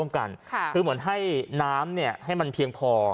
คือเหมือนให้น้ำให้มันเพียงพอ